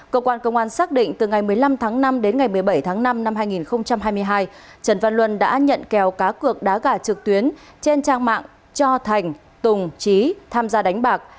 cơ quan công an xác định từ ngày một mươi năm tháng năm đến ngày một mươi bảy tháng năm năm hai nghìn hai mươi hai trần văn luân đã nhận kèo cá cược đá gà trực tuyến trên trang mạng cho thành tùng trí tham gia đánh bạc